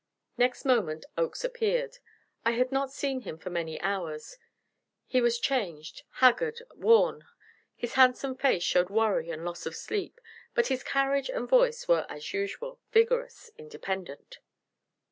Next moment Oakes appeared. I had not seen him for many hours. He was changed, haggard, worn. His handsome face showed worry and loss of sleep, but his carriage and voice were as usual vigorous, independent.